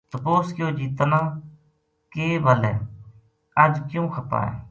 تپوس کیو جی تنا کے ول ہے اَج کیوں خپا ہے